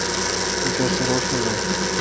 تو کس تھ روݭ گویہ۔